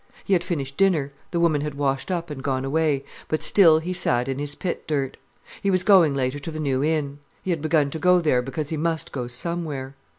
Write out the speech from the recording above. He had finished dinner, the woman had washed up and gone away, but still he sat in his pit dirt. He was going later to the New Inn. He had begun to go there because he must go somewhere.